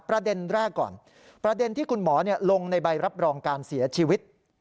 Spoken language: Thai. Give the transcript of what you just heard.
ประเด็นแรกก่อนประเด็นที่คุณหมอลงในใบรับรองการเสียชีวิต